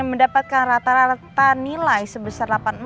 yang mendapatkan rata rata nilai sebesar delapan empat